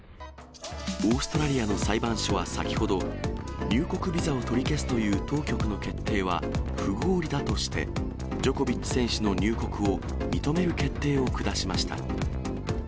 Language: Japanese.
オーストラリアの裁判所は先ほど、入国ビザを取り消すという当局の決定は不合理だとして、ジョコビッチ選手の入国を認める決定を下しました。